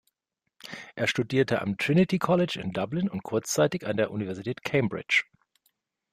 Er studierte am Trinity College in Dublin und kurzzeitig an der Universität Cambridge.